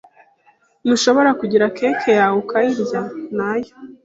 Ntushobora kugira cake yawe ukayirya, nayo.